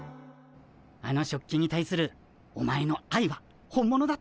あの食器に対するお前のあいは本物だった。